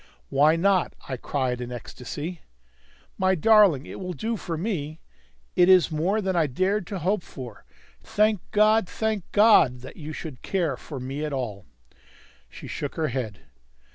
"Why not?" I cried in an ecstasy. "My darling, it will do for me! It is more than I dared to hope for; thank God, thank God, that you should care for me at all!" She shook her head.